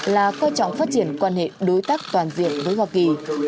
là coi trọng phát triển quan hệ đối tác toàn diện với hoa kỳ